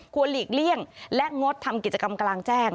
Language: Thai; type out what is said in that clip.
หลีกเลี่ยงและงดทำกิจกรรมกลางแจ้ง